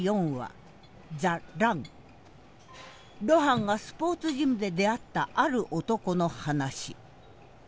露伴がスポーツジムで出会ったある男の話。